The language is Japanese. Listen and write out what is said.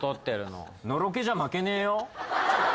のろけじゃ負けねえよ。